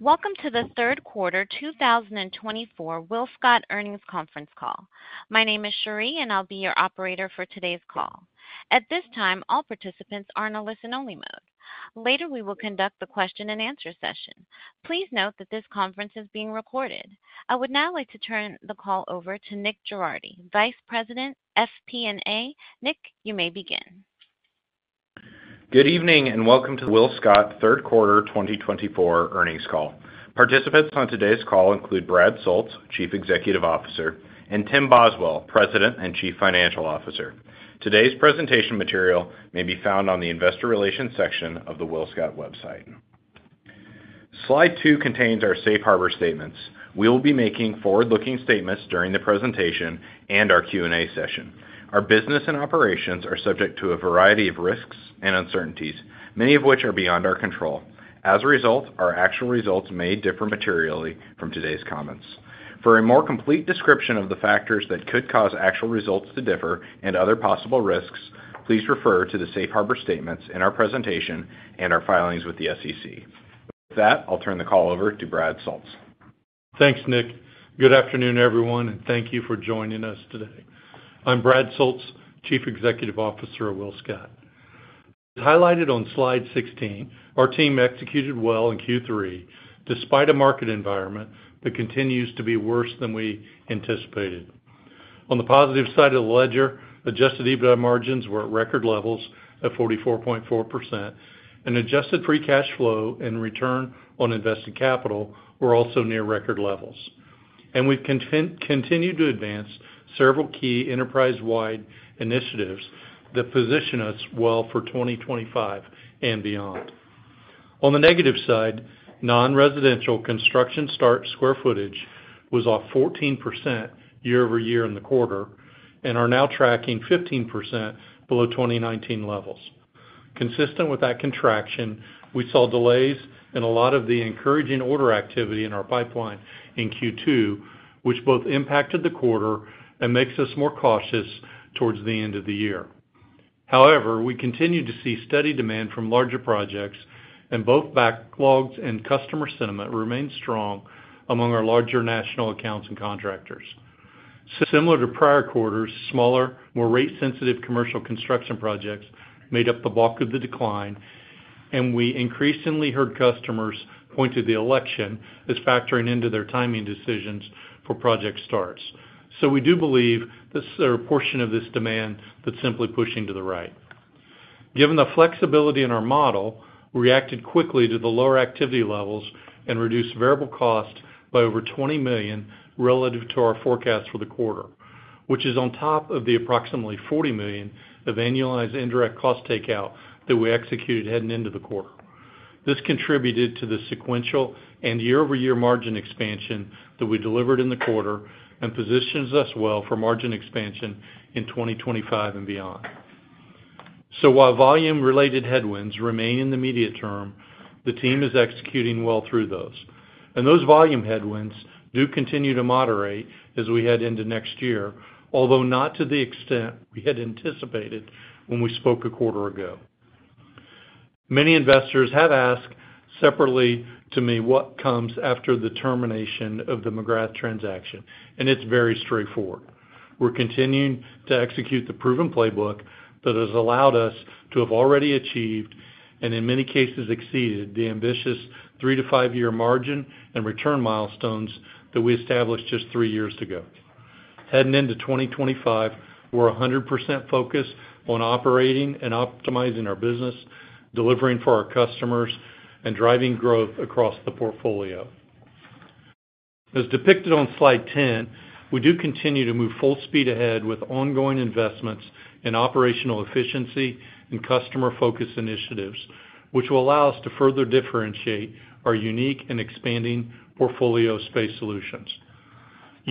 Welcome to the third quarter 2024 WillScot Mobile Mini Earnings Conference Call. My name is Cherie, and I'll be your operator for today's call. At this time, all participants are in a listen-only mode. Later, we will conduct the question and answer session. Please note that this conference is being recorded. I would now like to turn the call over to Nick Girardi, Vice President, FP&A. Nick, you may begin. Good evening and welcome to the WillScot Mobile Mini Third Quarter 2024 Earnings Call. Participants on today's call include Brad Soultz, Chief Executive Officer, and Tim Boswell, President and Chief Financial Officer. Today's presentation material may be found on the Investor Relations section of the WillScot website. Slide 2 contains our safe harbor statements. We will be making forward-looking statements during the presentation and our Q and A session. Our business and operations are subject to a variety of risks and uncertainties, many of which are beyond our control. As a result, our actual results may differ materially from today's comments. For a more complete description of the factors that could cause actual results to differ and other possible risks, please refer to the safe harbor statements in our presentation and our filings with the SEC. With that, I'll turn the call over to Brad Soultz. Thanks, Nick. Good afternoon, everyone, and thank you for joining us today. I'm Brad Soultz, Chief Executive Officer of WillScot. As highlighted on Slide 16, our team executed well in Q3 despite a market environment that continues to be worse than we anticipated. On the positive side of the ledger, Adjusted EBITDA margins were at record levels at 44.4%, and adjusted free cash flow and Return on Invested Capital were also near record levels. And we've continued to advance several key enterprise-wide initiatives that position us well for 2025 and beyond. On the negative side, non-residential construction start square footage was off 14% year over year in the quarter and are now tracking 15% below 2019 levels. Consistent with that contraction, we saw delays in a lot of the encouraging order activity in our pipeline in Q2, which both impacted the quarter and makes us more cautious towards the end of the year. However, we continue to see steady demand from larger projects, and both backlogs and customer sentiment remain strong among our larger national accounts and contractors. Similar to prior quarters, smaller, more rate-sensitive commercial construction projects made up the bulk of the decline, and we increasingly heard customers point to the election as factoring into their timing decisions for project starts. So we do believe that there are portions of this demand that simply push to the right. Given the flexibility in our model, we reacted quickly to the lower activity levels and reduced variable cost by over $20 million relative to our forecast for the quarter, which is on top of the approximately $40 million of annualized indirect cost takeout that we executed heading into the quarter. This contributed to the sequential and year over year margin expansion that we delivered in the quarter and positions us well for margin expansion in 2025 and beyond. So while volume-related headwinds remain in the immediate term, the team is executing well through those. And those volume headwinds do continue to moderate as we head into next year, although not to the extent we had anticipated when we spoke a quarter ago. Many investors have asked separately to me what comes after the termination of the McGrath transaction, and it's very straightforward. We're continuing to execute the proven playbook that has allowed us to have already achieved and, in many cases, exceeded the ambitious three-to-five-year margin and return milestones that we established just three years ago. Heading into 2025, we're 100% focused on operating and optimizing our business, delivering for our customers, and driving growth across the portfolio. As depicted on Slide 10, we do continue to move full speed ahead with ongoing investments in operational efficiency and customer-focused initiatives, which will allow us to further differentiate our unique and expanding portfolio space solutions.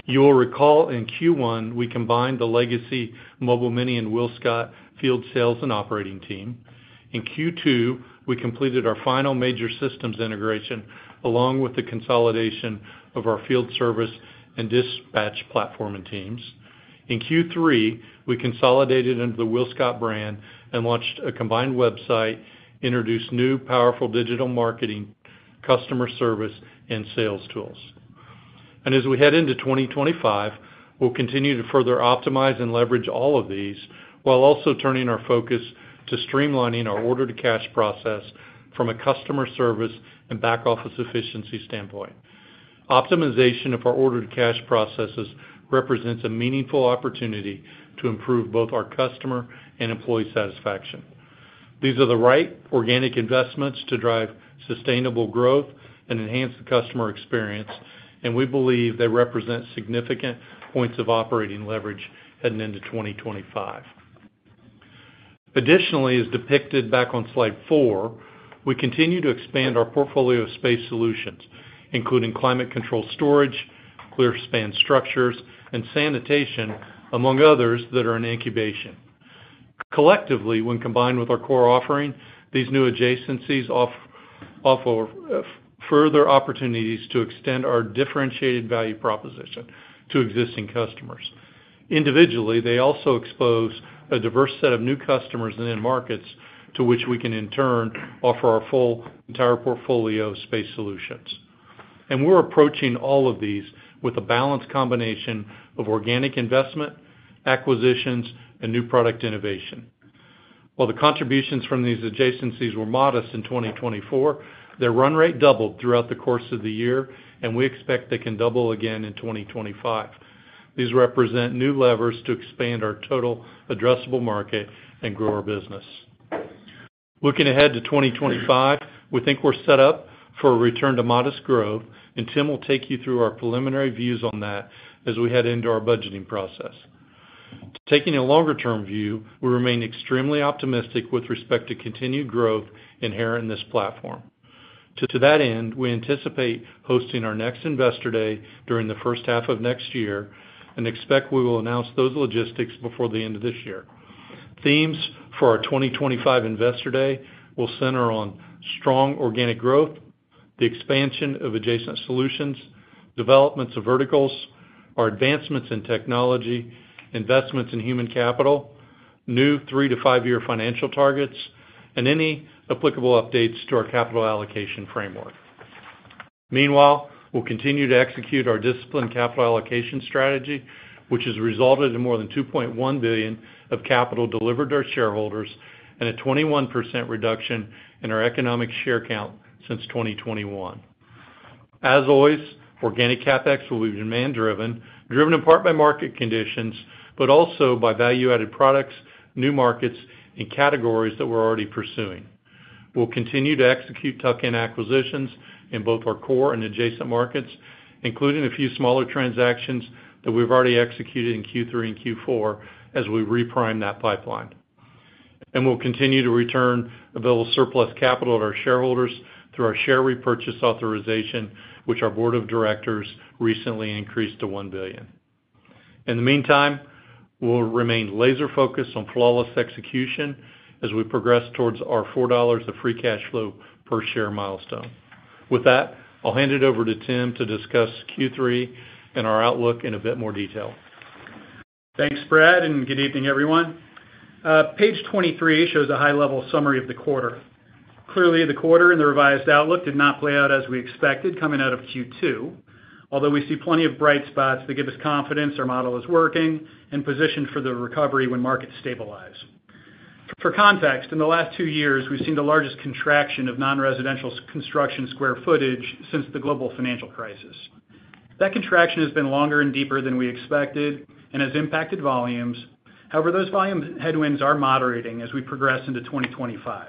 You will recall in Q1, we combined the legacy Mobile Mini and WillScot field sales and operating team. In Q2, we completed our final major systems integration along with the consolidation of our field service and dispatch platform and teams. In Q3, we consolidated into the WillScot brand and launched a combined website, introduced new powerful digital marketing, customer service, and sales tools, and as we head into 2025, we'll continue to further optimize and leverage all of these while also turning our focus to streamlining our order-to-cash process from a customer service and back-office efficiency standpoint. Optimization of our order-to-cash processes represents a meaningful opportunity to improve both our customer and employee satisfaction. These are the right organic investments to drive sustainable growth and enhance the customer experience, and we believe they represent significant points of operating leverage heading into 2025. Additionally, as depicted back on Slide 4, we continue to expand our portfolio space solutions, including climate-controlled storage, ClearSpan structures, and sanitation, among others that are in incubation. Collectively, when combined with our core offering, these new adjacencies offer further opportunities to extend our differentiated value proposition to existing customers. Individually, they also expose a diverse set of new customers and end markets to which we can, in turn, offer our full entire portfolio space solutions, and we're approaching all of these with a balanced combination of organic investment, acquisitions, and new product innovation. While the contributions from these adjacencies were modest in 2024, their run rate doubled throughout the course of the year, and we expect they can double again in 2025. These represent new levers to expand our total addressable market and grow our business. Looking ahead to 2025, we think we're set up for a return to modest growth, and Tim will take you through our preliminary views on that as we head into our budgeting process. Taking a longer-term view, we remain extremely optimistic with respect to continued growth inherent in this platform. To that end, we anticipate hosting our next Investor Day during the first half of next year and expect we will announce those logistics before the end of this year. Themes for our 2025 Investor Day will center on strong organic growth, the expansion of adjacent solutions, developments of verticals, our advancements in technology, investments in human capital, new three-to-five-year financial targets, and any applicable updates to our capital allocation framework. Meanwhile, we'll continue to execute our disciplined capital allocation strategy, which has resulted in more than $2.1 billion of capital delivered to our shareholders and a 21% reduction in our economic share count since 2021. As always, organic CapEx will be demand-driven, driven in part by market conditions, but also by value-added products, new markets, and categories that we're already pursuing. We'll continue to execute tuck-in acquisitions in both our core and adjacent markets, including a few smaller transactions that we've already executed in Q3 and Q4 as we re-prime that pipeline. And we'll continue to return available surplus capital to our shareholders through our share repurchase authorization, which our board of directors recently increased to $1 billion. In the meantime, we'll remain laser-focused on flawless execution as we progress towards our $4 of free cash flow per share milestone. With that, I'll hand it over to Tim to discuss Q3 and our outlook in a bit more detail. Thanks, Brad, and good evening, everyone. Page 23 shows a high-level summary of the quarter. Clearly, the quarter and the revised outlook did not play out as we expected coming out of Q2, although we see plenty of bright spots that give us confidence our model is working and positioned for the recovery when markets stabilize. For context, in the last two years, we've seen the largest contraction of non-residential construction square footage since the global financial crisis. That contraction has been longer and deeper than we expected and has impacted volumes. However, those volume headwinds are moderating as we progress into 2025.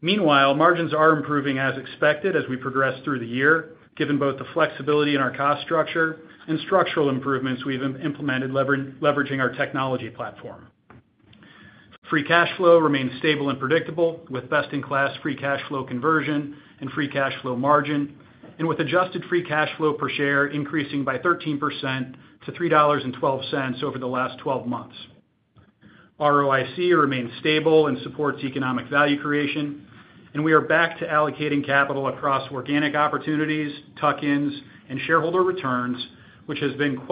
Meanwhile, margins are improving as expected as we progress through the year, given both the flexibility in our cost structure and structural improvements we've implemented leveraging our technology platform. Free cash flow remains stable and predictable with best-in-class free cash flow conversion and free cash flow margin, and with adjusted free cash flow per share increasing by 13% to $3.12 over the last 12 months. ROIC remains stable and supports economic value creation, and we are back to allocating capital across organic opportunities, tuck-ins, and shareholder returns, which has been a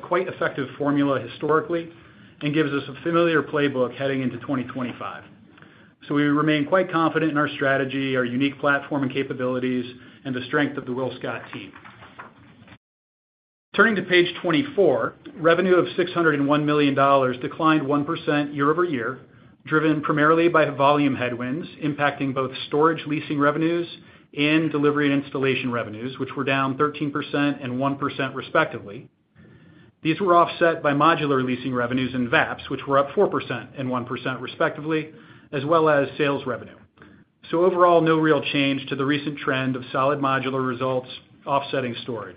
quite effective formula historically and gives us a familiar playbook heading into 2025. So we remain quite confident in our strategy, our unique platform and capabilities, and the strength of the WillScot team. Turning to Page 24, revenue of $601 million declined 1% year over year, driven primarily by volume headwinds impacting both storage leasing revenues and delivery and installation revenues, which were down 13% and 1% respectively. These were offset by modular leasing revenues and VAPs, which were up 4% and 1% respectively, as well as sales revenue. So overall, no real change to the recent trend of solid modular results offsetting storage.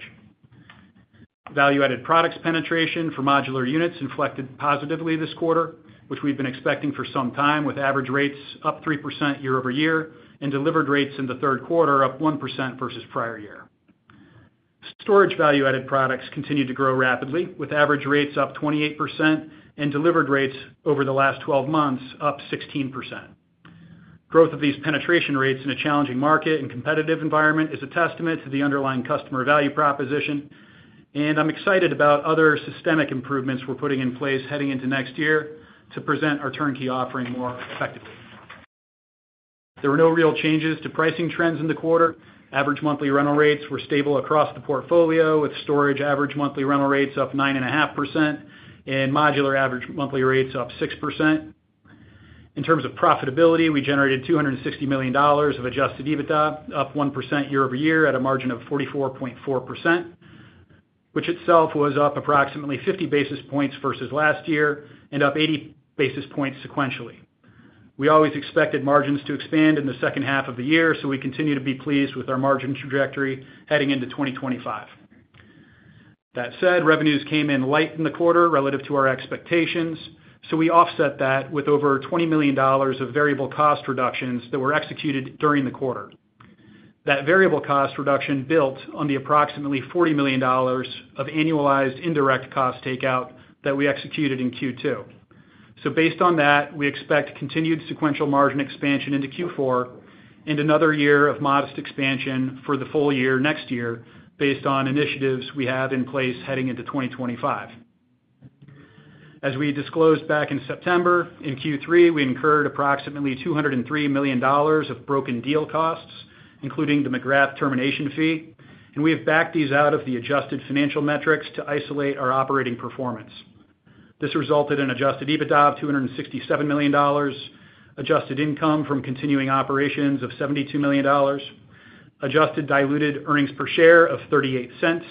Value-added products penetration for modular units inflected positively this quarter, which we've been expecting for some time, with average rates up 3% year over year and delivered rates in the third quarter up 1% versus prior year. Storage value-added products continued to grow rapidly, with average rates up 28% and delivered rates over the last 12 months up 16%. Growth of these penetration rates in a challenging market and competitive environment is a testament to the underlying customer value proposition, and I'm excited about other systemic improvements we're putting in place heading into next year to present our turnkey offering more effectively. There were no real changes to pricing trends in the quarter. Average monthly rental rates were stable across the portfolio, with storage average monthly rental rates up 9.5% and modular average monthly rates up 6%. In terms of profitability, we generated $260 million of Adjusted EBITDA, up 1% year over year at a margin of 44.4%, which itself was up approximately 50 basis points versus last year and up 80 basis points sequentially. We always expected margins to expand in the second half of the year, so we continue to be pleased with our margin trajectory heading into 2025. That said, revenues came in light in the quarter relative to our expectations, so we offset that with over $20 million of variable cost reductions that were executed during the quarter. That variable cost reduction built on the approximately $40 million of annualized indirect cost takeout that we executed in Q2. So based on that, we expect continued sequential margin expansion into Q4 and another year of modest expansion for the full year next year based on initiatives we have in place heading into 2025. As we disclosed back in September, in Q3, we incurred approximately $203 million of broken deal costs, including the McGrath termination fee, and we have backed these out of the adjusted financial metrics to isolate our operating performance. This resulted in Adjusted EBITDA of $267 million, adjusted income from continuing operations of $72 million, adjusted diluted earnings per share of $0.38,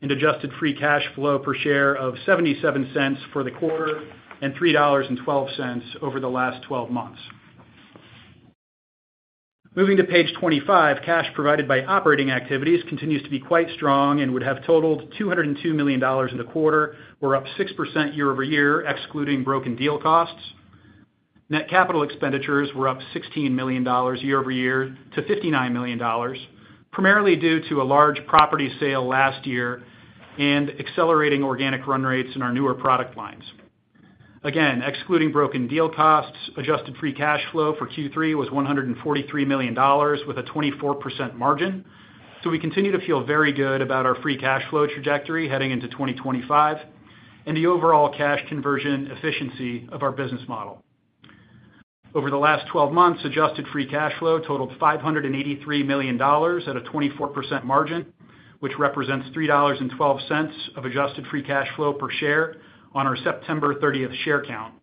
and adjusted free cash flow per share of $0.77 for the quarter and $3.12 over the last 12 months. Moving to page 25, cash provided by operating activities continues to be quite strong and would have totaled $202 million in the quarter, we're up 6% year over year excluding broken deal costs. Net capital expenditures were up $16 million year over year to $59 million, primarily due to a large property sale last year and accelerating organic run rates in our newer product lines. Again, excluding broken deal costs, adjusted free cash flow for Q3 was $143 million with a 24% margin, so we continue to feel very good about our free cash flow trajectory heading into 2025 and the overall cash conversion efficiency of our business model. Over the last 12 months, adjusted free cash flow totaled $583 million at a 24% margin, which represents $3.12 of adjusted free cash flow per share on our September 30th share count.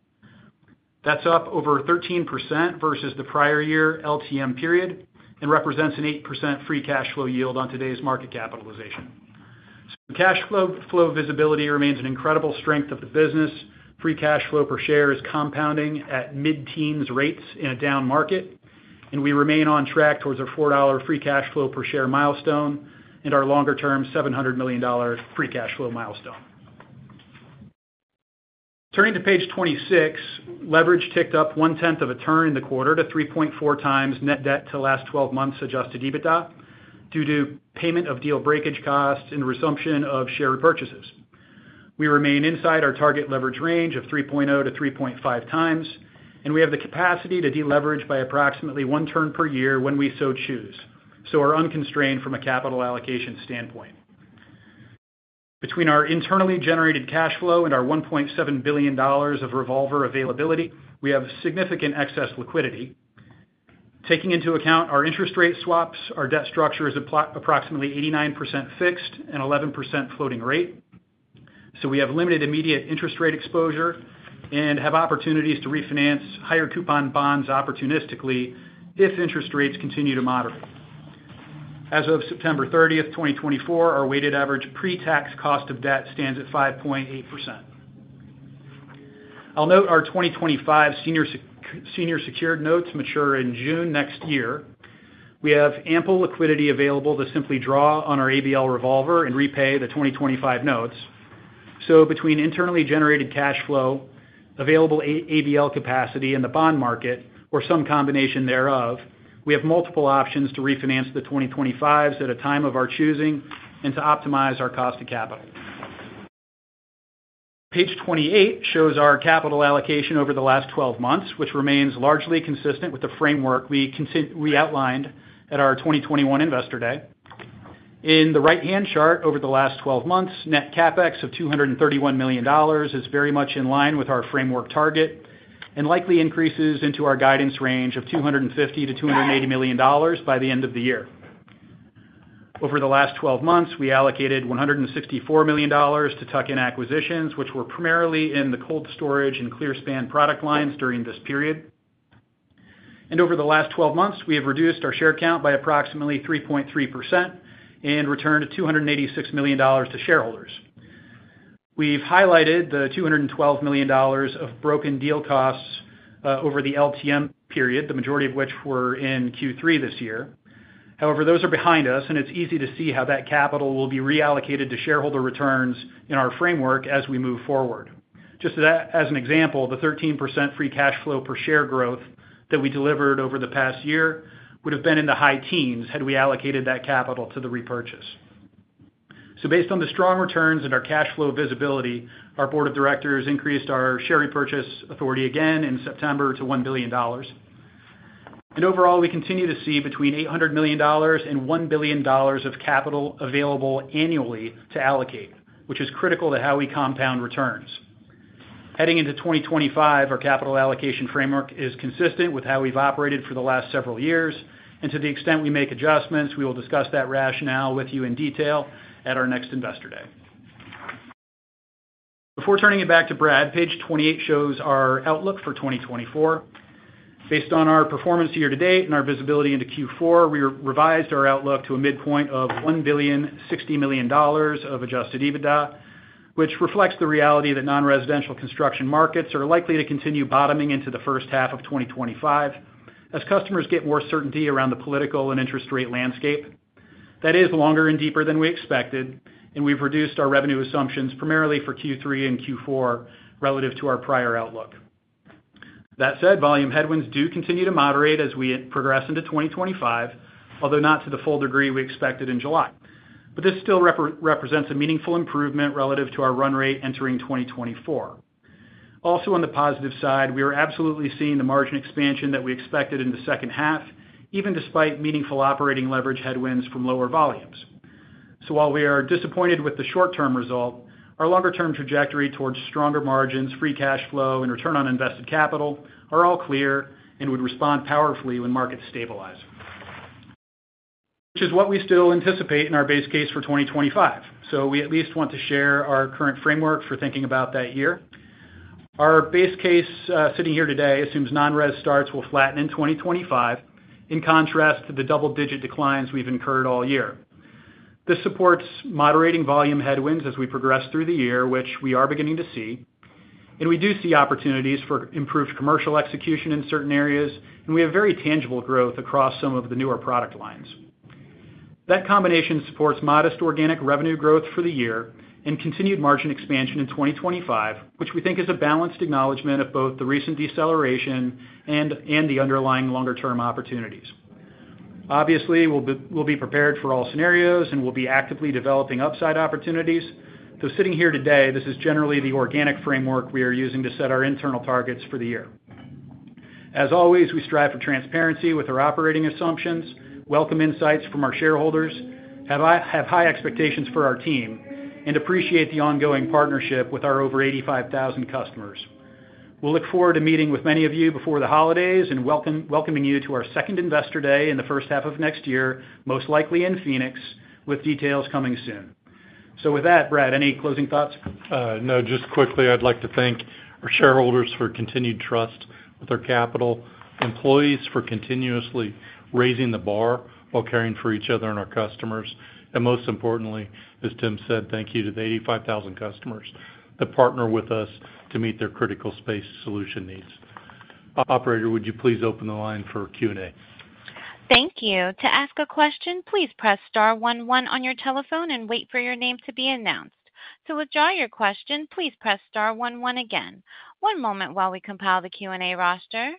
That's up over 13% versus the prior year LTM period and represents an 8% free cash flow yield on today's market capitalization. So cash flow visibility remains an incredible strength of the business. Free cash flow per share is compounding at mid-teens rates in a down market, and we remain on track towards our $4 free cash flow per share milestone and our longer-term $700 million free cash flow milestone. Turning to Page 26, leverage ticked up one-tenth of a turn in the quarter to 3.4 times net debt to last 12 months Adjusted EBITDA due to payment of deal breakage costs and resumption of share repurchases. We remain inside our target leverage range of 3.0 to 3.5 times, and we have the capacity to deleverage by approximately one turn per year when we so choose, so we're unconstrained from a capital allocation standpoint. Between our internally generated cash flow and our $1.7 billion of revolver availability, we have significant excess liquidity. Taking into account our interest rate swaps, our debt structure is approximately 89% fixed and 11% floating rate, so we have limited immediate interest rate exposure and have opportunities to refinance higher coupon bonds opportunistically if interest rates continue to moderate. As of September 30th, 2024, our weighted average pre-tax cost of debt stands at 5.8%. I'll note our 2025 senior secured notes mature in June next year. We have ample liquidity available to simply draw on our ABL revolver and repay the 2025 notes. So between internally generated cash flow, available ABL capacity, and the bond market, or some combination thereof, we have multiple options to refinance the 2025s at a time of our choosing and to optimize our cost of capital. Page 28 shows our capital allocation over the last 12 months, which remains largely consistent with the framework we outlined at our 2021 Investor Day. In the right-hand chart over the last 12 months, net CapEx of $231 million is very much in line with our framework target and likely increases into our guidance range of $250 to $280 million by the end of the year. Over the last 12 months, we allocated $164 million to tuck-in acquisitions, which were primarily in the cold storage and ClearSpan product lines during this period, and over the last 12 months, we have reduced our share count by approximately 3.3% and returned $286 million to shareholders. We've highlighted the $212 million of broken deal costs over the LTM period, the majority of which were in Q3 this year. However, those are behind us, and it's easy to see how that capital will be reallocated to shareholder returns in our framework as we move forward. Just as an example, the 13% free cash flow per share growth that we delivered over the past year would have been in the high teens had we allocated that capital to the repurchase. So based on the strong returns and our cash flow visibility, our board of directors increased our share repurchase authority again in September to $1 billion. And overall, we continue to see between $800 million and $1 billion of capital available annually to allocate, which is critical to how we compound returns. Heading into 2025, our capital allocation framework is consistent with how we've operated for the last several years, and to the extent we make adjustments, we will discuss that rationale with you in detail at our next Investor Day. Before turning it back to Brad, page 28 shows our outlook for 2024. Based on our performance year-to-date and our visibility into Q4, we revised our outlook to a midpoint of $1.60 million of Adjusted EBITDA, which reflects the reality that non-residential construction markets are likely to continue bottoming into the first half of 2025 as customers get more certainty around the political and interest rate landscape. That is longer and deeper than we expected, and we've reduced our revenue assumptions primarily for Q3 and Q4 relative to our prior outlook. That said, volume headwinds do continue to moderate as we progress into 2025, although not to the full degree we expected in July. But this still represents a meaningful improvement relative to our run rate entering 2024. Also, on the positive side, we are absolutely seeing the margin expansion that we expected in the second half, even despite meaningful operating leverage headwinds from lower volumes. So while we are disappointed with the short-term result, our longer-term trajectory towards stronger margins, free cash flow, and return on invested capital are all clear and would respond powerfully when markets stabilize, which is what we still anticipate in our base case for 2025. So we at least want to share our current framework for thinking about that year. Our base case sitting here today assumes non-res starts will flatten in 2025 in contrast to the double-digit declines we've incurred all year. This supports moderating volume headwinds as we progress through the year, which we are beginning to see. And we do see opportunities for improved commercial execution in certain areas, and we have very tangible growth across some of the newer product lines. That combination supports modest organic revenue growth for the year and continued margin expansion in 2025, which we think is a balanced acknowledgment of both the recent deceleration and the underlying longer-term opportunities. Obviously, we'll be prepared for all scenarios, and we'll be actively developing upside opportunities. So sitting here today, this is generally the organic framework we are using to set our internal targets for the year. As always, we strive for transparency with our operating assumptions, welcome insights from our shareholders, have high expectations for our team, and appreciate the ongoing partnership with our over 85,000 customers. We'll look forward to meeting with many of you before the holidays and welcoming you to our second Investor Day in the first half of next year, most likely in Phoenix, with details coming soon. So with that, Brad, any closing thoughts? No, just quickly, I'd like to thank our shareholders for continued trust with our capital, employees for continuously raising the bar while caring for each other and our customers, and most importantly, as Tim said, thank you to the 85,000 customers that partner with us to meet their critical space solution needs. Operator, would you please open the line for Q and A? Thank you. To ask a question, please press star 11 on your telephone and wait for your name to be announced. To withdraw your question, please press star 11 again. One moment while we compile the Q and A roster.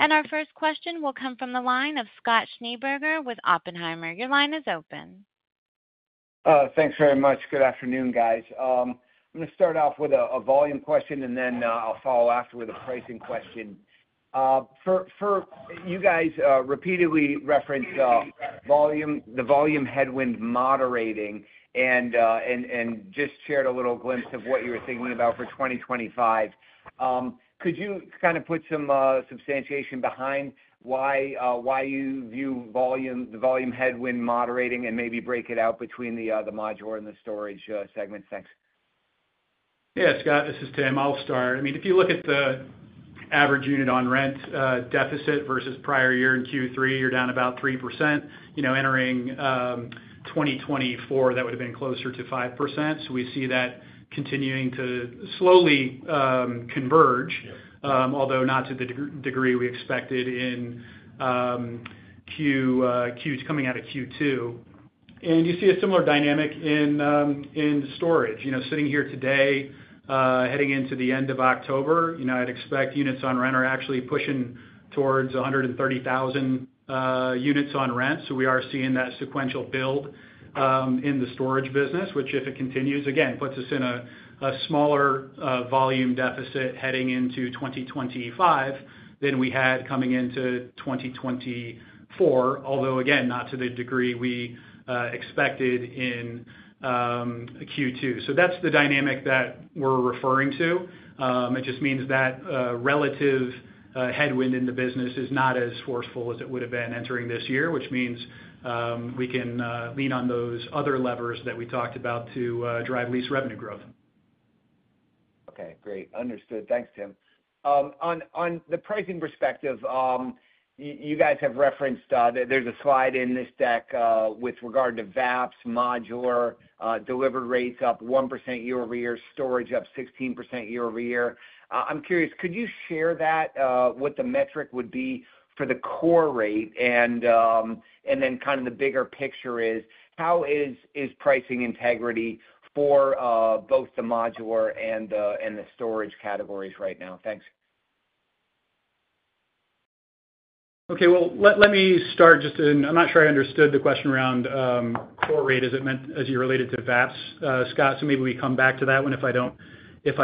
And our first question will come from the line of Scott Schneeberger with Oppenheimer. Your line is open. Thanks very much. Good afternoon, guys. I'm going to start off with a volume question, and then I'll follow after with a pricing question. You guys repeatedly referenced the volume headwind moderating and just shared a little glimpse of what you were thinking about for 2025. Could you kind of put some substantiation behind why you view the volume headwind moderating and maybe break it out between the modular and the storage segments? Thanks. Yeah, Scott, this is Tim. I'll start. I mean, if you look at the average unit on rent deficit versus prior year in Q3, you're down about 3%. Entering 2024, that would have been closer to 5%. So we see that continuing to slowly converge, although not to the degree we expected in Q2 coming out of Q2. And you see a similar dynamic in storage. Sitting here today, heading into the end of October, I'd expect units on rent are actually pushing towards 130,000 units on rent. So we are seeing that sequential build in the storage business, which if it continues, again, puts us in a smaller volume deficit heading into 2025 than we had coming into 2024, although again, not to the degree we expected in Q2. So that's the dynamic that we're referring to. It just means that relative headwind in the business is not as forceful as it would have been entering this year, which means we can lean on those other levers that we talked about to drive lease revenue growth. Okay, great. Understood. Thanks, Tim. On the pricing perspective, you guys have referenced there's a slide in this deck with regard to VAPs, modular, delivered rates up 1% year over year, storage up 16% year over year. I'm curious, could you share that what the metric would be for the core rate? And then kind of the bigger picture is how is pricing integrity for both the modular and the storage categories right now? Thanks. Okay, well, let me start. Just, I'm not sure I understood the question around core rate as you related to VAPs, Scott, so maybe we come back to that one if I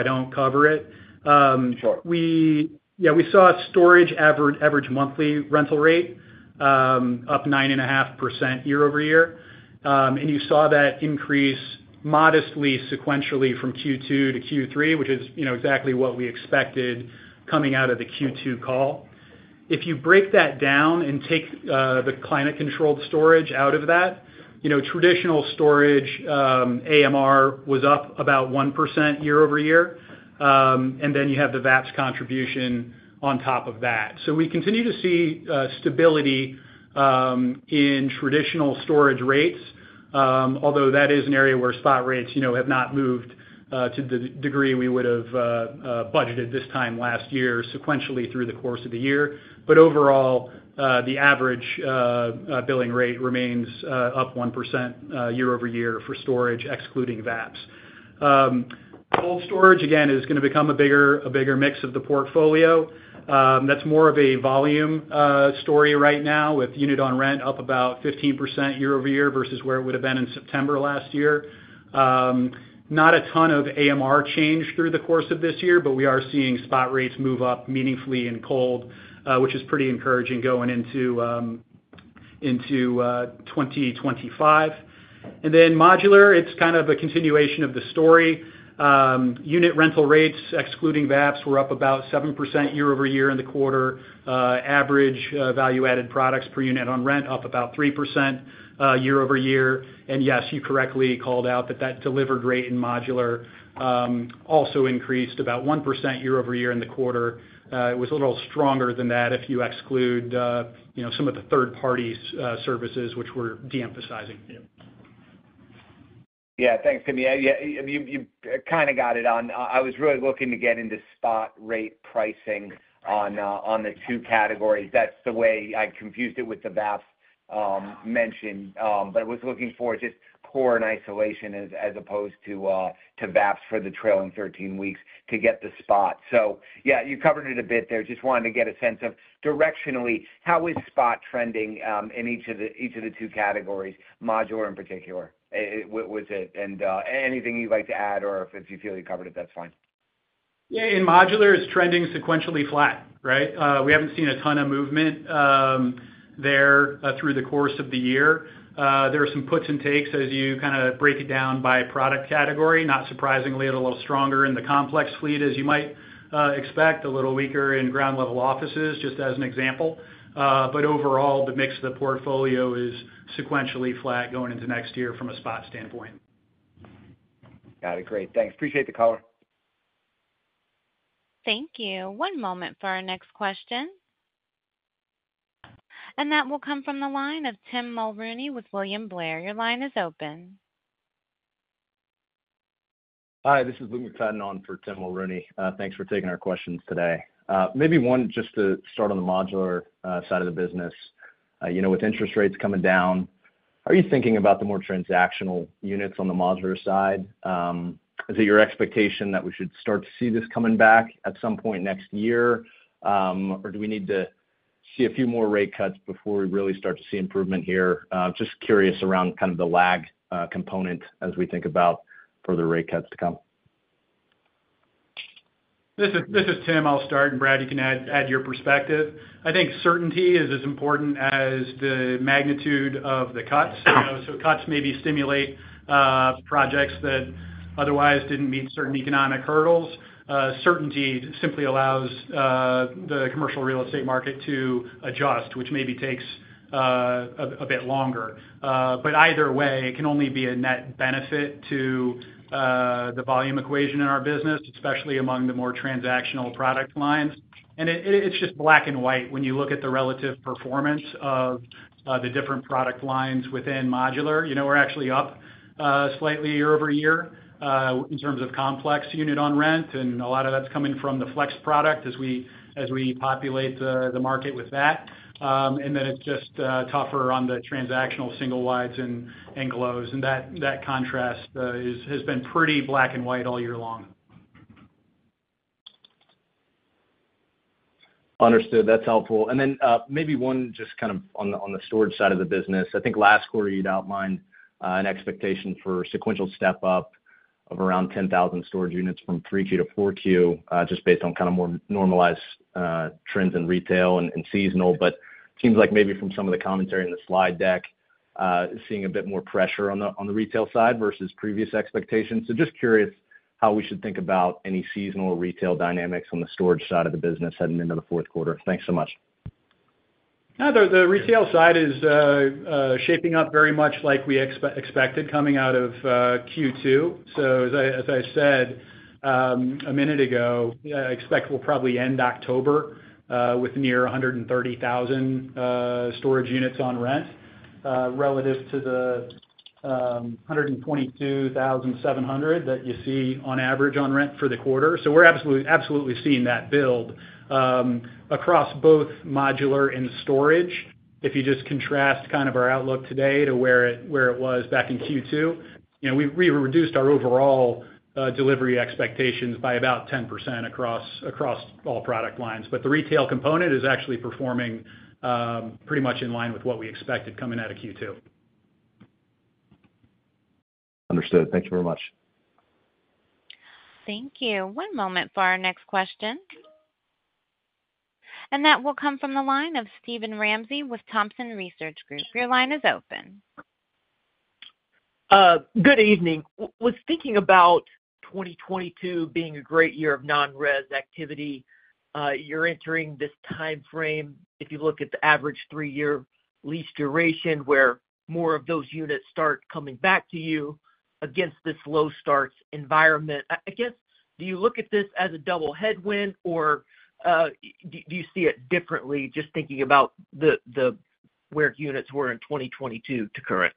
don't cover it. Sure Yeah, we saw storage average monthly rental rate up 9.5% year over year. And you saw that increase modestly sequentially from Q2 to Q3, which is exactly what we expected coming out of the Q2 call. If you break that down and take the climate-controlled storage out of that, traditional storage AMR was up about 1% year over year. And then you have the VAPs contribution on top of that. So we continue to see stability in traditional storage rates, although that is an area where spot rates have not moved to the degree we would have budgeted this time last year sequentially through the course of the year. But overall, the average billing rate remains up 1% year over year for storage, excluding VAPs. Cold storage, again, is going to become a bigger mix of the portfolio. That's more of a volume story right now with units on rent up about 15% year over year versus where it would have been in September last year. Not a ton of AMR change through the course of this year, but we are seeing spot rates move up meaningfully in cold, which is pretty encouraging going into 2025. And then modular, it's kind of a continuation of the story. Unit rental rates, excluding VAPs, were up about 7% year over year in the quarter. Average value-added products per unit on rent up about 3% year over year. And yes, you correctly called out that that delivered rate in modular also increased about 1% year over year in the quarter. It was a little stronger than that if you exclude some of the third-party services, which we're de-emphasizing. Yeah. Yeah, thanks, Tim. Yeah, you kind of got it on. I was really looking to get into spot rate pricing on the two categories. That's the way I confused it with the VAPs mentioned. But I was looking for just core in isolation as opposed to VAPs for the trailing 13 weeks to get the spot. So yeah, you covered it a bit there. Just wanted to get a sense of directionally, how is spot trending in each of the two categories, modular in particular? And anything you'd like to add, or if you feel you covered it, that's fine. Yeah, in modular, it's trending sequentially flat, right? We haven't seen a ton of movement there through the course of the year. There are some puts and takes as you kind of break it down by product category. Not surprisingly, a little stronger in the complex fleet, as you might expect, a little weaker in ground-level offices, just as an example. But overall, the mix of the portfolio is sequentially flat going into next year from a spot standpoint. Got it. Great. Thanks. Appreciate the color. Thank you. One moment for our next question. And that will come from the line of Tim Mulrooney with William Blair. Your line is open. Hi, this is Luke McFadden on for Tim Mulrooney. Thanks for taking our questions today. Maybe one just to start on the modular side of the business. With interest rates coming down, are you thinking about the more transactional units on the modular side? Is it your expectation that we should start to see this coming back at some point next year, or do we need to see a few more rate cuts before we really start to see improvement here? Just curious around kind of the lag component as we think about further rate cuts to come. This is Tim. I'll start. And Brad, you can add your perspective. I think certainty is as important as the magnitude of the cuts. So cuts maybe stimulate projects that otherwise didn't meet certain economic hurdles. Certainty simply allows the commercial real estate market to adjust, which maybe takes a bit longer. But either way, it can only be a net benefit to the volume equation in our business, especially among the more transactional product lines. It's just black and white when you look at the relative performance of the different product lines within modular. We're actually up slightly year over year in terms of complex unit on rent, and a lot of that's coming from the Flex product as we populate the market with that. It's just tougher on the transactional single-wides and GLOs. That contrast has been pretty black and white all year long. Understood. That's helpful. Maybe one just kind of on the storage side of the business. I think last quarter, you'd outlined an expectation for sequential step-up of around 10,000 storage units from 3Q to 4Q, just based on kind of more normalized trends in retail and seasonal. But it seems like maybe from some of the commentary in the slide deck, seeing a bit more pressure on the retail side versus previous expectations. So just curious how we should think about any seasonal retail dynamics on the storage side of the business heading into the fourth quarter? Thanks so much. The retail side is shaping up very much like we expected coming out of Q2. So as I said a minute ago, I expect we'll probably end October with near 130,000 storage units on rent relative to the 122,700 that you see on average on rent for the quarter. So we're absolutely seeing that build across both modular and storage. If you just contrast kind of our outlook today to where it was back in Q2, we reduced our overall delivery expectations by about 10% across all product lines. But the retail component is actually performing pretty much in line with what we expected coming out of Q2. Understood. Thank you very much. Thank you. One moment for our next question. And that will come from the line of Steven Ramsey with Thompson Research Group. Your line is open. Good evening. I was thinking about 2022 being a great year of non-res activity. You're entering this timeframe, if you look at the average three-year lease duration, where more of those units start coming back to you against this low starts environment. I guess, do you look at this as a double headwind, or do you see it differently just thinking about where units were in 2022 to current?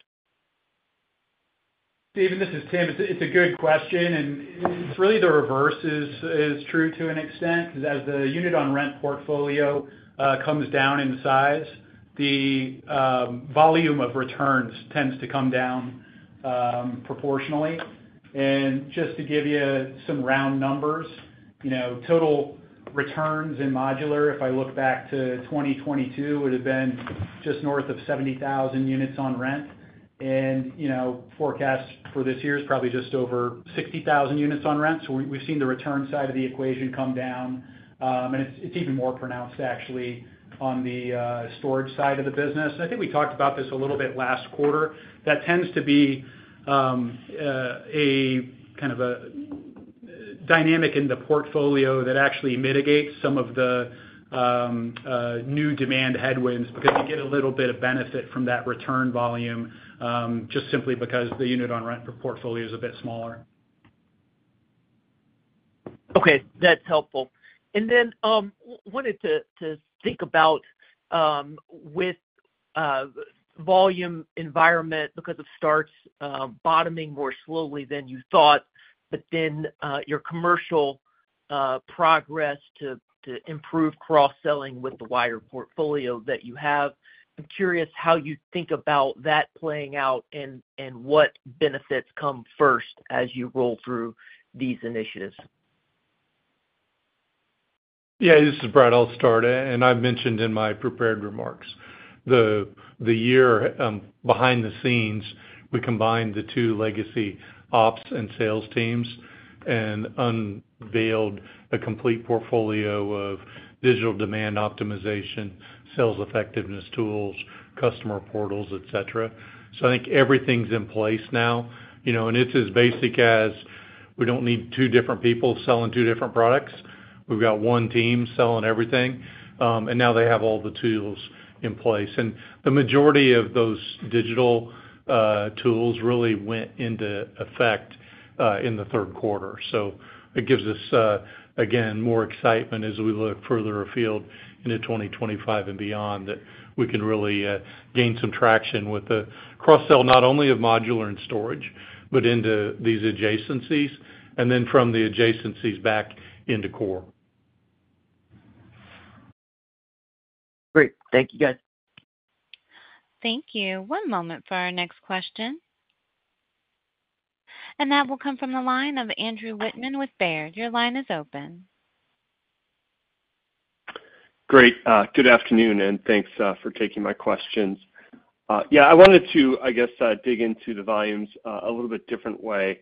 Steven, this is Tim. It's a good question. And it's really the reverse is true to an extent because as the units on rent portfolio comes down in size, the volume of returns tends to come down proportionally. Just to give you some round numbers, total returns in modular, if I look back to 2022, would have been just north of 70,000 units on rent. Forecast for this year is probably just over 60,000 units on rent. We've seen the return side of the equation come down. It's even more pronounced, actually, on the storage side of the business. I think we talked about this a little bit last quarter. That tends to be a kind of a dynamic in the portfolio that actually mitigates some of the new demand headwinds because you get a little bit of benefit from that return volume just simply because the unit on rent portfolio is a bit smaller. Okay. That's helpful. And then wanted to think about with volume environment because it starts bottoming more slowly than you thought, but then your commercial progress to improve cross-selling with the wider portfolio that you have. I'm curious how you think about that playing out and what benefits come first as you roll through these initiatives. Yeah, this is Brad Soultz. And I've mentioned in my prepared remarks, the year behind the scenes, we combined the two legacy ops and sales teams and unveiled a complete portfolio of digital demand optimization, sales effectiveness tools, customer portals, etc. So I think everything's in place now. And it's as basic as we don't need two different people selling two different products. We've got one team selling everything. And now they have all the tools in place. And the majority of those digital tools really went into effect in the third quarter. So it gives us, again, more excitement as we look further afield into 2025 and beyond that we can really gain some traction with the cross-sell not only of modular and storage, but into these adjacencies, and then from the adjacencies back into core. Great. Thank you, guys. Thank you. One moment for our next question. And that will come from the line of Andrew Whitman with Baird. Your line is open. Great. Good afternoon, and thanks for taking my questions. Yeah, I wanted to, I guess, dig into the volumes a little bit different way.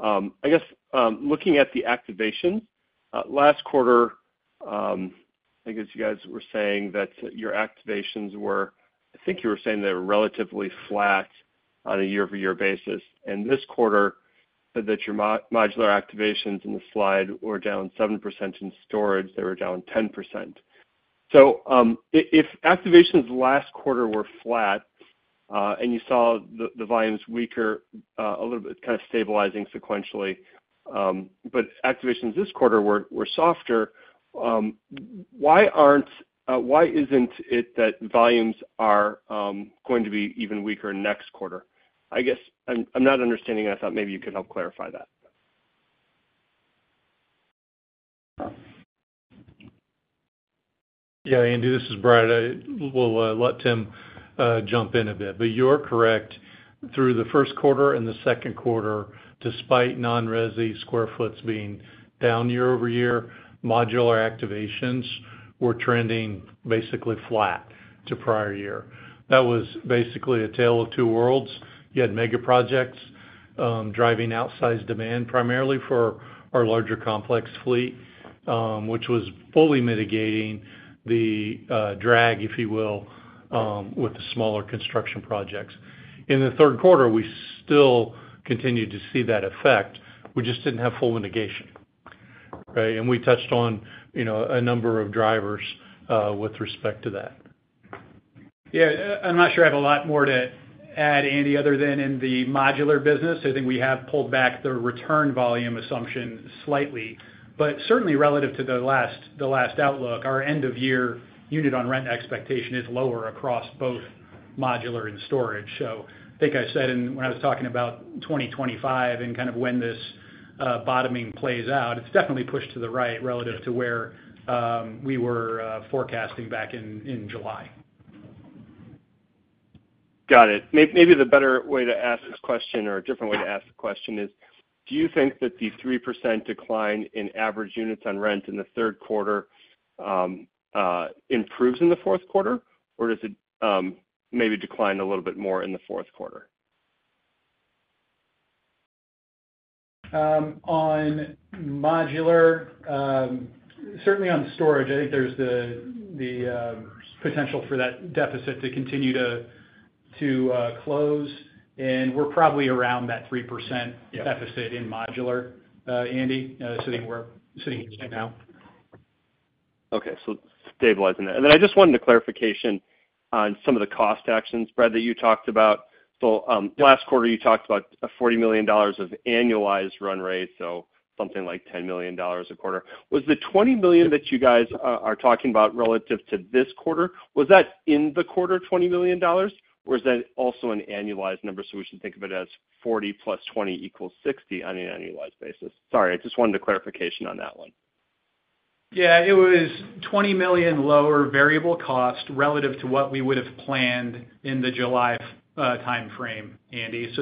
I guess looking at the activations, last quarter, I guess you guys were saying that your activations were I think you were saying they were relatively flat on a year over year basis. And this quarter, that your modular activations in the slide were down 7% in storage. They were down 10%. So if activations last quarter were flat and you saw the volumes weaker a little bit, kind of stabilizing sequentially, but activations this quarter were softer, why isn't it that volumes are going to be even weaker next quarter? I guess I'm not understanding. I thought maybe you could help clarify that. Yeah, Andrew, this is Brad. I will let Tim jump in a bit. But you're correct. Through the first quarter and the second quarter, despite non-res square feet being down year-over-year, modular activations were trending basically flat to prior year. That was basically a tale of two worlds. You had mega projects driving outsized demand primarily for our larger complex fleet, which was fully mitigating the drag, if you will, with the smaller construction projects. In the third quarter, we still continued to see that effect. We just didn't have full mitigation, right? We touched on a number of drivers with respect to that. Yeah. I'm not sure I have a lot more to add, Andy, other than in the modular business. I think we have pulled back the return volume assumption slightly. But certainly, relative to the last outlook, our end-of-year units on rent expectation is lower across both modular and storage. So I think I said when I was talking about 2025 and kind of when this bottoming plays out, it's definitely pushed to the right relative to where we were forecasting back in July. Got it. Maybe the better way to ask this question or a different way to ask the question is, do you think that the 3% decline in average units on rent in the third quarter improves in the fourth quarter, or does it maybe decline a little bit more in the fourth quarter? On modular, certainly on storage, I think there's the potential for that deficit to continue to close. And we're probably around that 3% deficit in modular, Andy, sitting here right now. Okay. So stabilizing that. And then I just wanted a clarification on some of the cost actions, Brad, that you talked about. So last quarter, you talked about $40 million of annualized run rate, so something like $10 million a quarter. Was the $20 million that you guys are talking about relative to this quarter, was that in the quarter $20 million, or is that also an annualized number? So we should think of it as 40 plus 20 equals 60 on an annualized basis. Sorry. I just wanted a clarification on that one. Yeah. It was $20 million lower variable cost relative to what we would have planned in the July timeframe, Andy.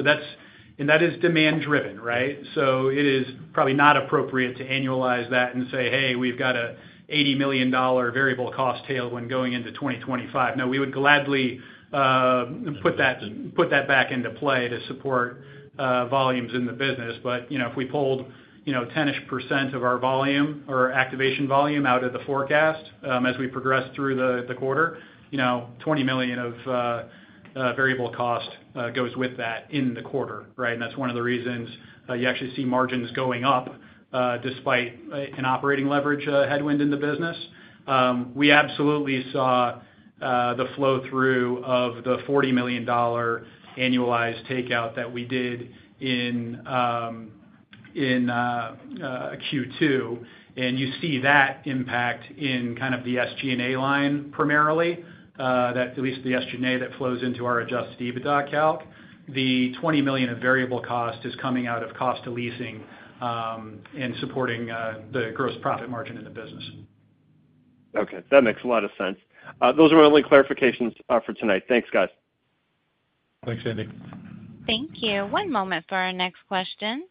And that is demand-driven, right? It is probably not appropriate to annualize that and say, "Hey, we've got an $80 million variable cost tail when going into 2025." No, we would gladly put that back into play to support volumes in the business. But if we pulled 10-ish% of our volume or activation volume out of the forecast as we progressed through the quarter, $20 million of variable cost goes with that in the quarter, right? And that's one of the reasons you actually see margins going up despite an operating leverage headwind in the business. We absolutely saw the flow-through of the $40 million annualized takeout that we did in Q2. And you see that impact in kind of the SG&A line primarily, at least the SG&A that flows into our adjusted EBITDA calc. The $20 million of variable cost is coming out of cost of leasing and supporting the gross profit margin in the business. Okay. That makes a lot of sense. Those are my only clarifications for tonight. Thanks, guys. Thanks, Andy. Thank you. One moment for our next question.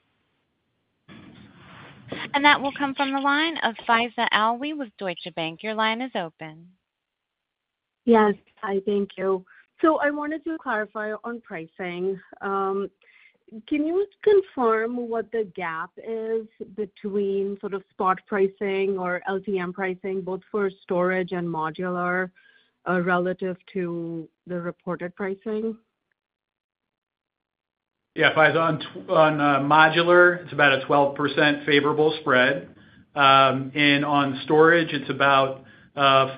And that will come from the line of Faiza Alwy with Deutsche Bank. Your line is open. Yes. Hi, thank you. So I wanted to clarify on pricing. Can you confirm what the gap is between sort of spot pricing or LTM pricing, both for storage and modular, relative to the reported pricing? Yeah. Faiza, on modular, it's about a 12% favorable spread. And on storage, it's about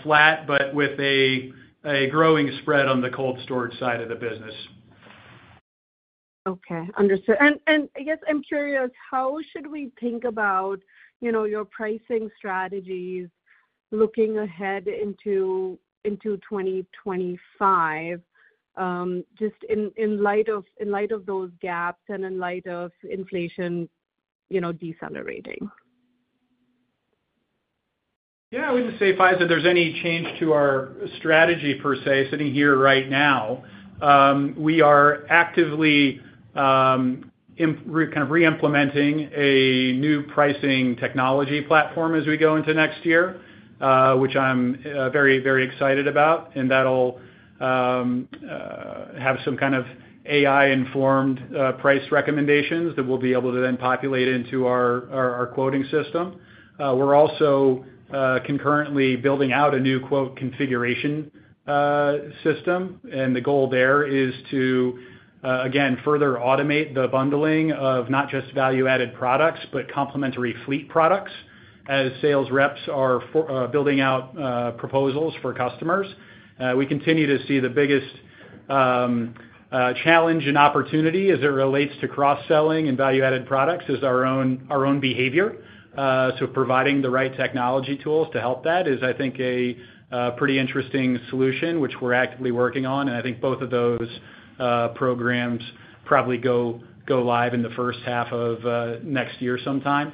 flat, but with a growing spread on the cold storage side of the business. Okay. Understood. I guess I'm curious, how should we think about your pricing strategies looking ahead into 2025, just in light of those gaps and in light of inflation decelerating? Yeah. I wouldn't say, Faiza, there's any change to our strategy per se. Sitting here right now, we are actively kind of reimplementing a new pricing technology platform as we go into next year, which I'm very, very excited about. And that'll have some kind of AI-informed price recommendations that we'll be able to then populate into our quoting system. We're also concurrently building out a new quote configuration system. And the goal there is to, again, further automate the bundling of not just value-added products, but complementary fleet products as sales reps are building out proposals for customers. We continue to see the biggest challenge and opportunity as it relates to cross-selling and value-added products is our own behavior. So providing the right technology tools to help that is, I think, a pretty interesting solution, which we're actively working on. And I think both of those programs probably go live in the first half of next year sometime.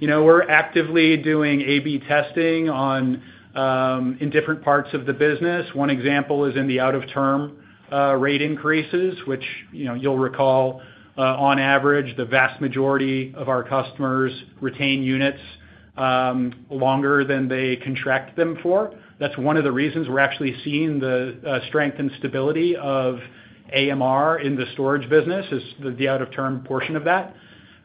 We're actively doing A/B testing in different parts of the business. One example is in the out-of-term rate increases, which you'll recall, on average, the vast majority of our customers retain units longer than they contract them for. That's one of the reasons we're actually seeing the strength and stability of AMR in the storage business is the out-of-term portion of that.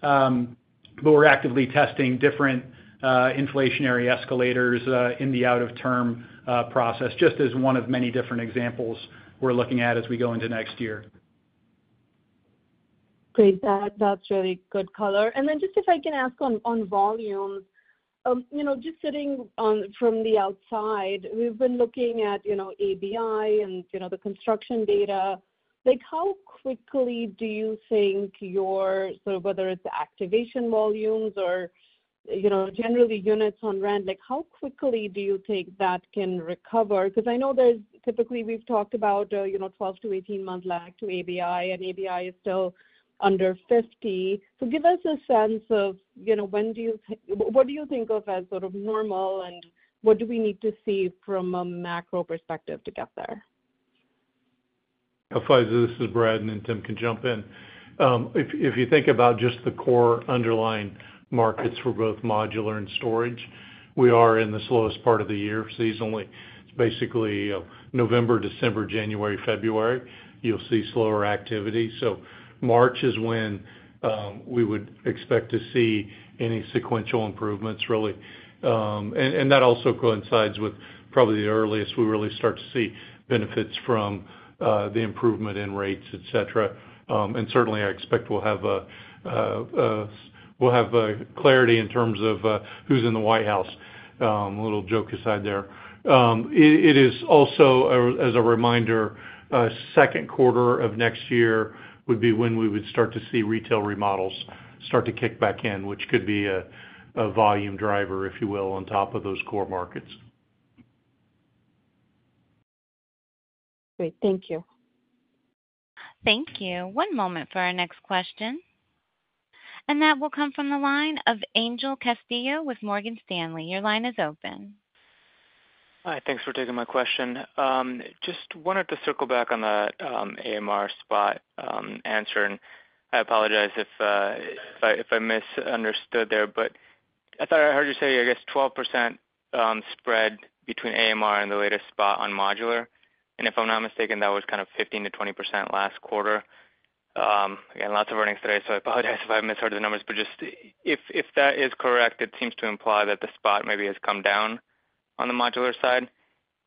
But we're actively testing different inflationary escalators in the out-of-term process, just as one of many different examples we're looking at as we go into next year. Great. That's really good color. And then, just if I can ask on volume, just sitting from the outside, we've been looking at ABI and the construction data. How quickly do you think your sort of whether it's activation volumes or generally units on rent, how quickly do you think that can recover? Because I know there's typically, we've talked about 12 to 18 months lag to ABI, and ABI is still under 50. So give us a sense of when do you, what do you think of as sort of normal, and what do we need to see from a macro perspective to get there? Faiza, this is Brad. And Tim can jump in. If you think about just the core underlying markets for both modular and storage, we are in the slowest part of the year seasonally. It's basically November, December, January, February. You'll see slower activity. So March is when we would expect to see any sequential improvements, really. And that also coincides with probably the earliest we really start to see benefits from the improvement in rates, etc. And certainly, I expect we'll have clarity in terms of who's in the White House. A little joke aside there. It is also, as a reminder, second quarter of next year would be when we would start to see retail remodels start to kick back in, which could be a volume driver, if you will, on top of those core markets. Great. Thank you. Thank you. One moment for our next question. And that will come from the line of Angel Castillo with Morgan Stanley. Your line is open. Hi. Thanks for taking my question. Just wanted to circle back on that AMR spot answer. And I apologize if I misunderstood there. But I thought I heard you say, I guess, 12% spread between AMR and the latest spot on modular. And if I'm not mistaken, that was kind of 15% to 20% last quarter. Again, lots of earnings today. So I apologize if I misheard the numbers. But just if that is correct, it seems to imply that the spot maybe has come down on the modular side.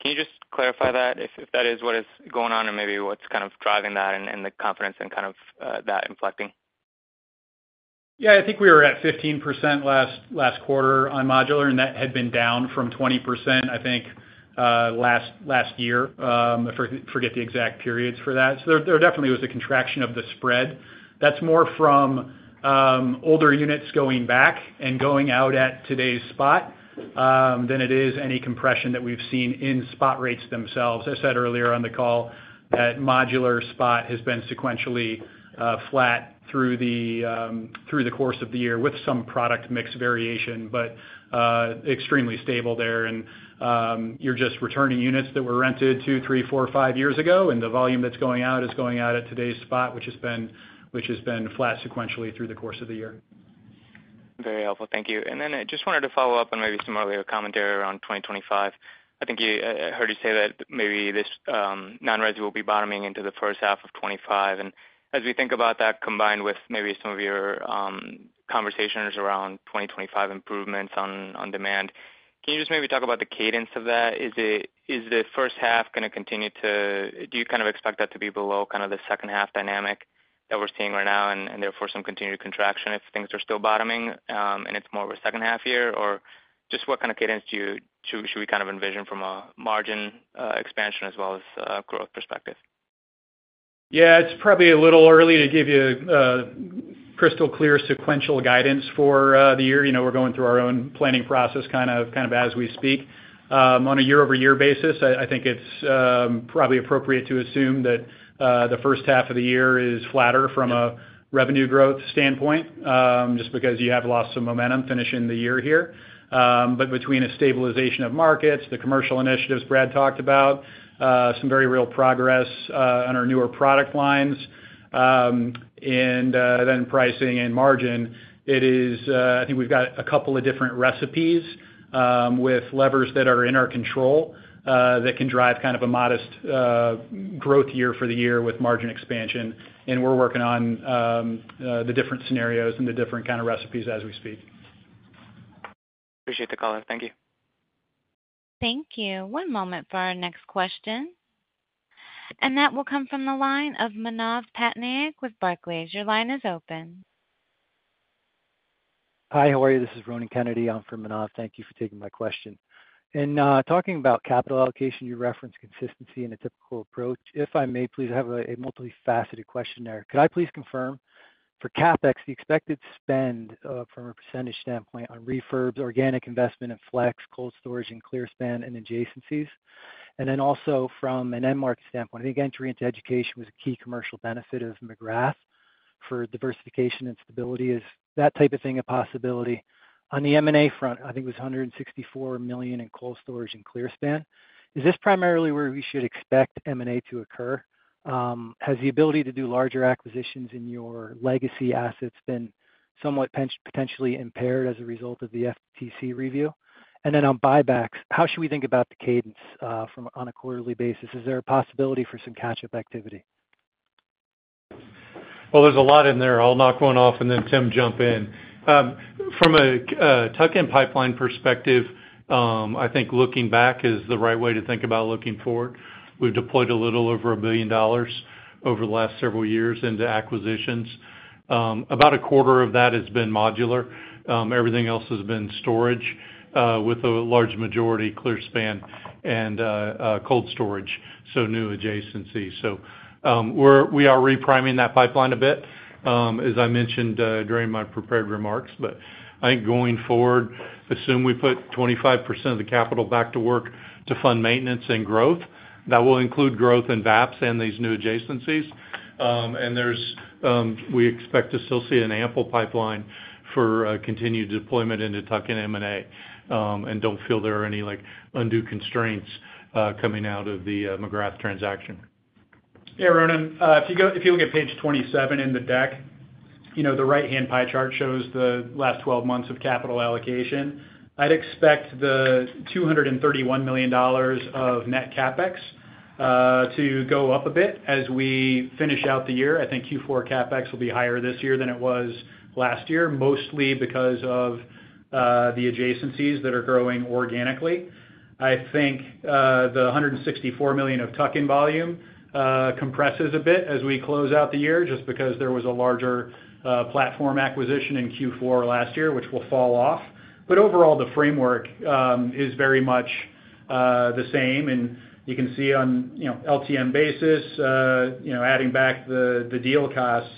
Can you just clarify that, if that is what is going on and maybe what's kind of driving that and the confidence and kind of that inflecting? Yeah. I think we were at 15% last quarter on modular, and that had been down from 20%, I think, last year. I forget the exact periods for that. So there definitely was a contraction of the spread. That's more from older units going back and going out at today's spot than it is any compression that we've seen in spot rates themselves. I said earlier on the call that modular spot has been sequentially flat through the course of the year with some product mix variation, but extremely stable there. You're just returning units that were rented two, three, four, five years ago, and the volume that's going out is going out at today's spot, which has been flat sequentially through the course of the year. Very helpful. Thank you. Then I just wanted to follow up on maybe some earlier commentary around 2025. I think I heard you say that maybe this non-res will be bottoming into the first half of 2025. As we think about that combined with maybe some of your conversations around 2025 improvements on demand, can you just maybe talk about the cadence of that? Is the first half going to continue to do you kind of expect that to be below kind of the second-half dynamic that we're seeing right now and therefore some continued contraction if things are still bottoming and it's more of a second-half year? Or just what kind of cadence should we kind of envision from a margin expansion as well as growth perspective? Yeah. It's probably a little early to give you crystal-clear sequential guidance for the year. We're going through our own planning process kind of as we speak. On a year over year basis, I think it's probably appropriate to assume that the first half of the year is flatter from a revenue growth standpoint just because you have lost some momentum finishing the year here. But between a stabilization of markets, the commercial initiatives Brad talked about, some very real progress on our newer product lines, and then pricing and margin, I think we've got a couple of different recipes with levers that are in our control that can drive kind of a modest growth year for the year with margin expansion. And we're working on the different scenarios and the different kind of recipes as we speak. Appreciate the call. Thank you. Thank you. One moment for our next question, and that will come from the line of Manav Patnaik with Barclays. Your line is open. Hi. How are you? This is Ronan Kennedy. I'm from Manav. Thank you for taking my question. And talking about capital allocation, you referenced consistency in a typical approach. If I may, please, I have a multifaceted question there. Could I please confirm for CapEx, the expected spend from a percentage standpoint on refurbs, organic investment in Flex, cold storage, and ClearSpan, and adjacencies? And then also from an end market standpoint, I think entry into education was a key commercial benefit of McGrath for diversification and stability. Is that type of thing a possibility? On the M&A front, I think it was $164 million in cold storage and ClearSpan. Is this primarily where we should expect M&A to occur? Has the ability to do larger acquisitions in your legacy assets been somewhat potentially impaired as a result of the FTC review? And then on buybacks, how should we think about the cadence on a quarterly basis? Is there a possibility for some catch-up activity? There's a lot in there. I'll knock one off, and then Tim jump in. From a tuck-in pipeline perspective, I think looking back is the right way to think about looking forward. We've deployed a little over $1 billion over the last several years into acquisitions. About a quarter of that has been modular. Everything else has been storage with a large majority ClearSpan and cold storage, so new adjacencies. We are repriming that pipeline a bit, as I mentioned during my prepared remarks. I think going forward, assume we put 25% of the capital back to work to fund maintenance and growth. That will include growth and VAPs and these new adjacencies. We expect to still see an ample pipeline for continued deployment into tuck-in M&A and don't feel there are any undue constraints coming out of the McGrath transaction. Yeah, Ronan. If you look at Page 27 in the deck, the right-hand pie chart shows the last 12 months of capital allocation. I'd expect the $231 million of net CapEx to go up a bit as we finish out the year. I think Q4 CapEx will be higher this year than it was last year, mostly because of the adjacencies that are growing organically. I think the $164 million of tuck-in volume compresses a bit as we close out the year just because there was a larger platform acquisition in Q4 last year, which will fall off. But overall, the framework is very much the same. You can see on LTM basis, adding back the deal costs,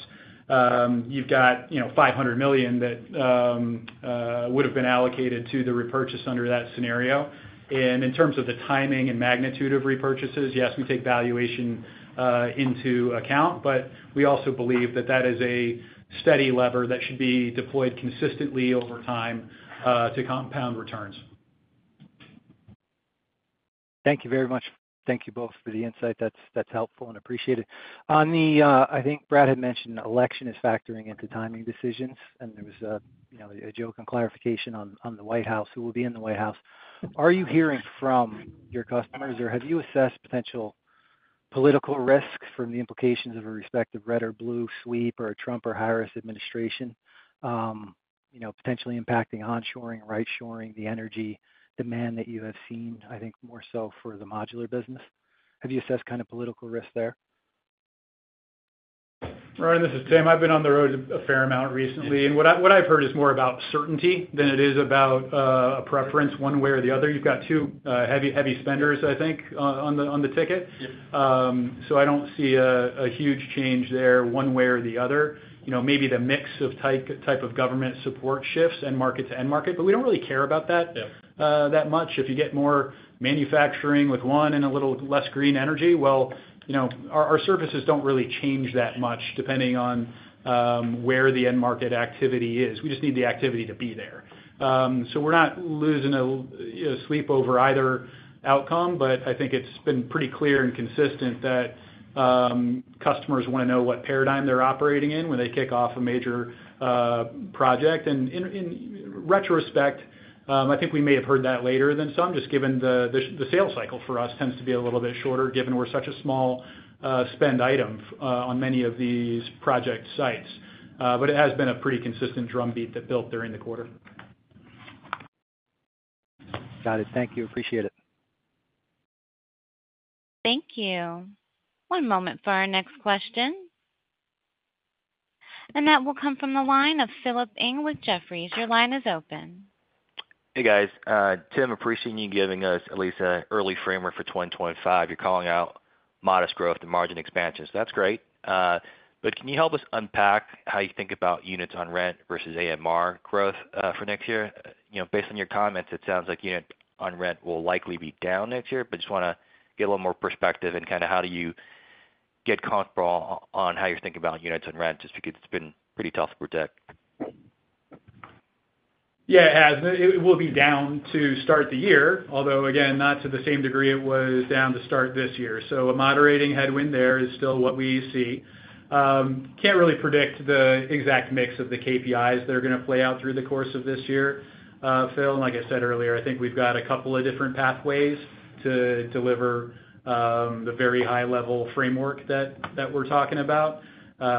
you've got $500 million that would have been allocated to the repurchase under that scenario. In terms of the timing and magnitude of repurchases, yes, we take valuation into account. But we also believe that that is a steady lever that should be deployed consistently over time to compound returns. Thank you very much. Thank you both for the insight. That's helpful and appreciated. I think Brad had mentioned election is factoring into timing decisions. There was a joke and clarification on the White House who will be in the White House. Are you hearing from your customers, or have you assessed potential political risks from the implications of a respective red or blue sweep or a Trump or Harris administration potentially impacting onshoring, right-shoring, the energy demand that you have seen, I think more so for the modular business? Have you assessed kind of political risk there? Ronan, this is Tim. I've been on the road a fair amount recently. And what I've heard is more about certainty than it is about a preference one way or the other. You've got two heavy spenders, I think, on the ticket. So I don't see a huge change there one way or the other. Maybe the mix of type of government support shifts and market to end market. But we don't really care about that that much. If you get more manufacturing with one and a little less green energy, well, our services don't really change that much depending on where the end market activity is. We just need the activity to be there. So we're not losing sleep over either outcome. But I think it's been pretty clear and consistent that customers want to know what paradigm they're operating in when they kick off a major project. And in retrospect, I think we may have heard that later than some, just given the sales cycle for us tends to be a little bit shorter given we're such a small spend item on many of these project sites. But it has been a pretty consistent drumbeat that built during the quarter. Got it. Thank you. Appreciate it. Thank you`. One moment for our next question. And that will come from the line of Philip Ng with Jefferies. Your line is open. Hey, guys. Tim, appreciating you giving us at least an early framework for 2025. You're calling out modest growth and margin expansion. So that's great. But can you help us unpack how you think about units on rent versus AMR growth for next year? Based on your comments, it sounds like unit on rent will likely be down next year. But just want to get a little more perspective and kind of how do you get comfortable on how you're thinking about units on rent just because it's been pretty tough to protect. Yeah, it has. It will be down to start the year, although, again, not to the same degree it was down to start this year. So a moderating headwind there is still what we see. Can't really predict the exact mix of the KPIs that are going to play out through the course of this year, Phil. And like I said earlier, I think we've got a couple of different pathways to deliver the very high-level framework that we're talking about.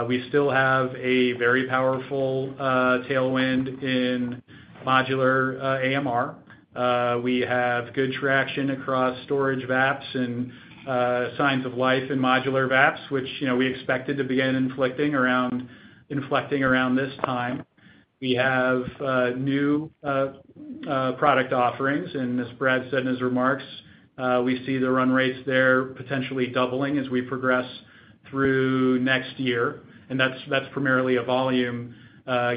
We still have a very powerful tailwind in modular AMR. We have good traction across storage VAPs and signs of life in modular VAPs, which we expected to begin inflecting around this time. We have new product offerings. And as Brad said in his remarks, we see the run rates there potentially doubling as we progress through next year. And that's primarily a volume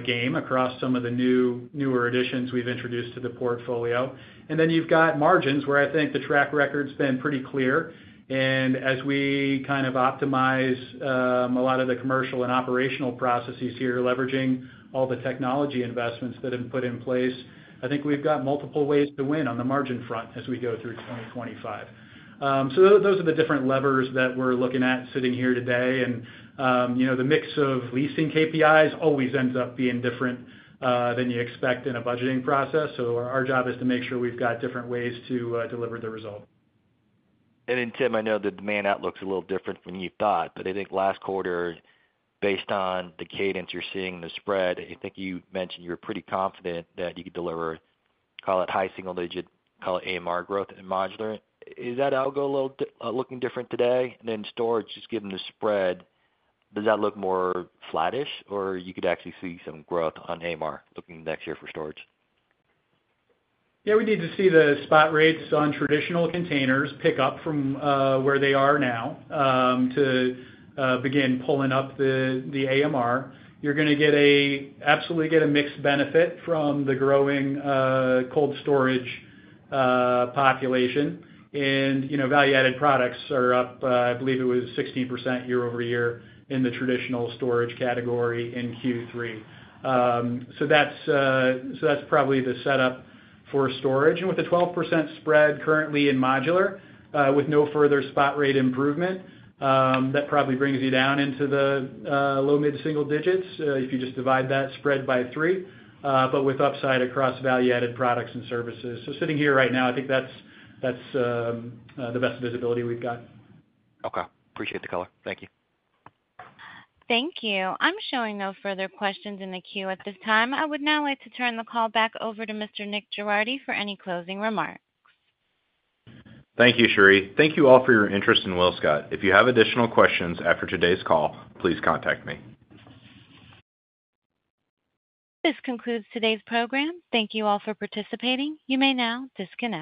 game across some of the newer additions we've introduced to the portfolio. And then you've got margins where I think the track record's been pretty clear. And as we kind of optimize a lot of the commercial and operational processes here, leveraging all the technology investments that have been put in place, I think we've got multiple ways to win on the margin front as we go through 2025. So those are the different levers that we're looking at sitting here today. And the mix of leasing KPIs always ends up being different than you expect in a budgeting process. So our job is to make sure we've got different ways to deliver the result. And then Tim, I know the demand outlook's a little different than you thought. But I think last quarter, based on the cadence you're seeing in the spread, I think you mentioned you were pretty confident that you could deliver, call it high single-digit, call it AMR growth in modular. Is that outlook a little looking different today? And then storage, just given the spread, does that look more flattish, or you could actually see some growth on AMR looking next year for storage? Yeah, we need to see the spot rates on traditional containers pick up from where they are now to begin pulling up the AMR. You're going to absolutely get a mixed benefit from the growing cold storage population. And value-added products are up, I believe it was 16% year over year in the traditional storage category in Q3. So that's probably the setup for storage. And with a 12% spread currently in modular, with no further spot rate improvement, that probably brings you down into the low-mid single digits if you just divide that spread by three, but with upside across value-added products and services. So sitting here right now, I think that's the best visibility we've got. Okay. Appreciate the color. Thank you. Thank you. I'm showing no further questions in the queue at this time. I would now like to turn the call back over to Mr. Nick Girardi for any closing remarks. Thank you, Cherie. Thank you all for your interest in WillScot. If you have additional questions after today's call, please contact me. This concludes today's program. Thank you all for participating. You may now disconnect.